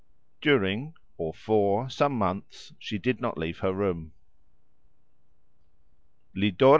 During (for) some months she did not leave her room.